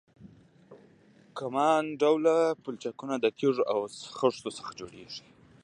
کمان ډوله پلچکونه د تیږو او خښتو څخه جوړیږي